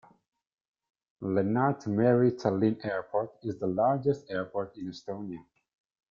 Lennart Meri Tallinn Airport is the largest airport in Estonia.